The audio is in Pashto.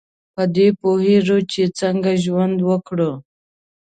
په دې پوهیږو چې څنګه ژوند وکړو.